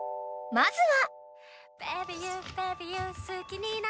［まずは］